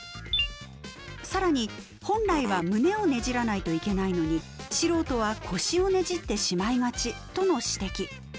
更に本来は胸をねじらないといけないのに素人は腰をねじってしまいがちとの指摘。